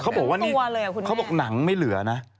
เขาบอกว่านี่หนังไม่เหลือนะ